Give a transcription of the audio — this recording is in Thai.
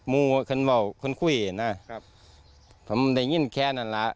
มึงว่าคนว่าวองุ่นกุ้ยนะครับเพราะมันได้ยิ้นแคนนั้นละ